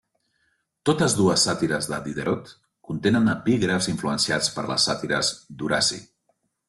Totes dues sàtires de Diderot contenen epígrafs influenciats per les sàtires d'Horaci.